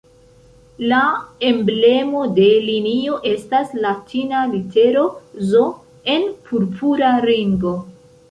La emblemo de linio estas latina litero "Z" en purpura ringo.